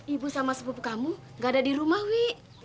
ibu sama sepupu kamu gak ada di rumah wi